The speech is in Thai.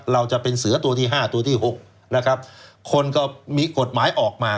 เราจะเป็นเสือตัวที่ห้าตัวที่หกนะครับคนก็มีกฎหมายออกมา